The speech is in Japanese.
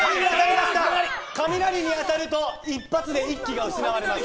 雷に当たると一発で１機が失われます。